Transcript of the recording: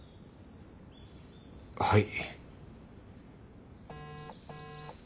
はい。